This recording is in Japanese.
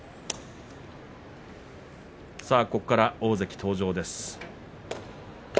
ここから大関登場です。